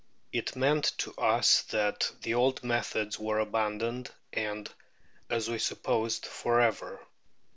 It meant to us that the old methods were abandoned, and, as we supposed, for ever.